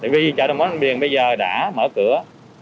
vì chợ đồng hành điện bây giờ đã mở cửa